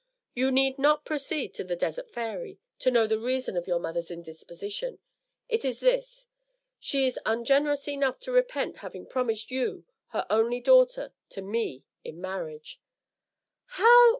You need not proceed to the Desert Fairy, to know the reason of your mother's indisposition it is this: she is ungenerous enough to repent having promised you, her only daughter, to me in marriage " "How!"